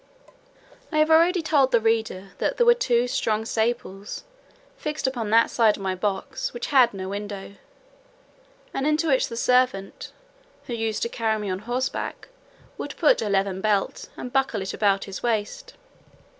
I have already told the reader that there were two strong staples fixed upon that side of my box which had no window, and into which the servant, who used to carry me on horseback, would put a leathern belt, and buckle it about his waist.